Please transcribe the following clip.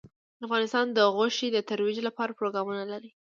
افغانستان د غوښې د ترویج لپاره پروګرامونه لري.